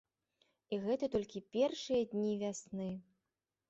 І гэта толькі першыя дні вясны.